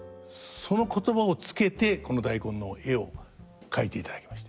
その言葉をつけてこの大根の絵を描いていただきました。